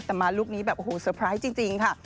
แต่มาลุคนี้แบบโอ้โหเซอร์ไพรส์จริงค่ะ